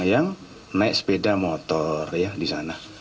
yang naik sepeda motor ya disana